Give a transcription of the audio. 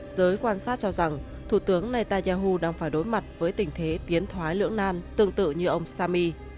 giới quan sát cho rằng thủ tướng netanyahu đang phải đối mặt với tình thế tiến thoái lưỡng nan tương tự như ông sami